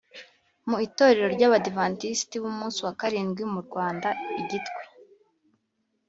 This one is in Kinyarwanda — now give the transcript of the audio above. mu itorero ry’abadivantisiti b’umunsi wa karindwi mu Rwanda I Gitwe,